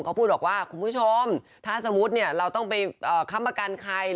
เขาพูดบอกว่าคุณผู้ชมถ้าสมมุติเนี่ยเราต้องไปค้ำประกันใคร